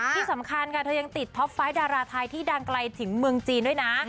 ที่สำคัญค่ะเธอยังติดท็อปไฟต์ดาราไทยที่ดังไกลถึงเมืองจีนด้วยนะ